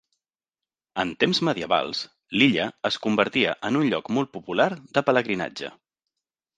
En temps medievals, l'illa es convertia en un lloc molt popular de pelegrinatge.